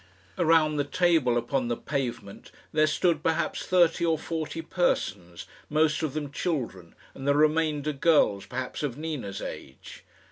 Around the table upon the pavement there stood perhaps thirty or forty persons, most of them children, and the remainder girls perhaps of Nina's age.